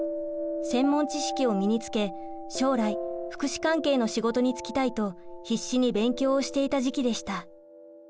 専門知識を身につけ将来福祉関係の仕事に就きたいと必死に勉強をしていた時期でした。